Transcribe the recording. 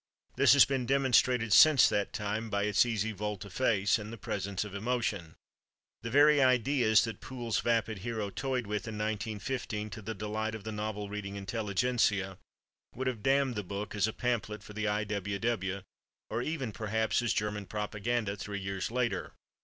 This has been demonstrated since that time by its easy volte face in the presence of emotion. The very ideas that Poole's vapid hero toyed with in 1915, to the delight of the novel reading intelligentsia, would have damned the book as a pamphlet for the I. W. W., or even, perhaps, as German propaganda, three years later.